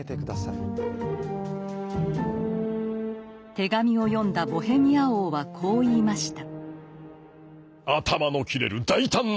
手紙を読んだボヘミア王はこう言いました。